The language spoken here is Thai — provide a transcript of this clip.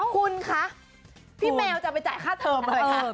คุณคะพี่แมวจะไปจ่ายค่าเทอมเลยค่ะ